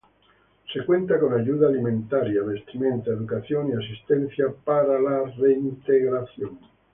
Se cuenta con ayuda alimentaria, vestimenta, educación y asistencia para la reintegración.